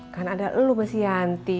kan ada lo mba si yanti